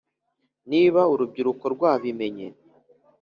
niba urubyiruko rwabimenye;